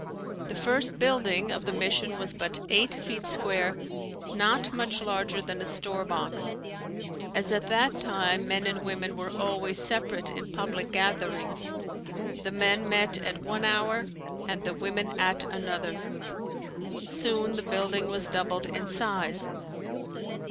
The first building of the mission was but eight feet square, not much larger than a storebox. As at that time men and women were always separate in public gatherings, the men met at one hour and the women at another. Soon the building was doubled in size.